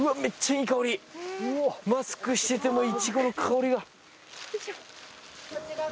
マスクしててもいちごの香りが。